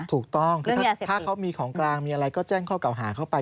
ถูกต้องคือถ้าเขามีของกลางมีอะไรก็แจ้งข้อเก่าหาเข้าไป